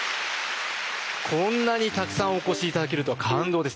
こんなにたくさんお越し頂けるとは感動です。